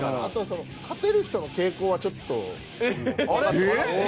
あとその勝てる人の傾向はちょっとわかる。